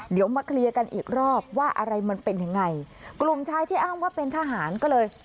เดี๋ยวมาเคลียร์กันอีกรอบว่าอะไรมันเป็นยังไงกลุ่มชายที่อ้างว่าเป็นทหารก็เลย